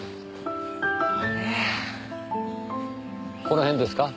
この辺ですか？